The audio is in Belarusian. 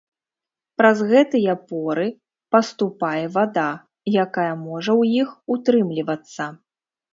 Праз гэтыя поры паступае вада, якая можа ў іх утрымлівацца.